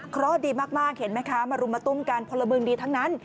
เพราะดีมากเห็นไหมคะมารุมมาตุ้มกันพลเมืองดีทั้งนั้น